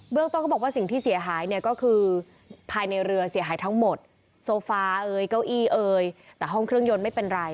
ต้นก็บอกว่าสิ่งที่เสียหายเนี่ยก็คือภายในเรือเสียหายทั้งหมดโซฟาเอยเก้าอี้เอ่ยแต่ห้องเครื่องยนต์ไม่เป็นไร